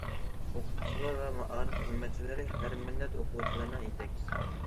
ئوقۇتقۇچىلار ۋە مائارىپ خىزمەتچىلىرى ھەر مىللەت ئوقۇغۇچىلىرىنىڭ يېتەكچىسى.